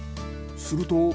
すると。